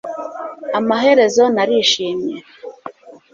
amaherezo narishimye